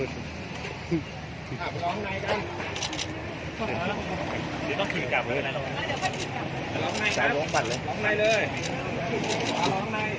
นั่นคือครั้งเดียวที่เป็นแบบส่วนที่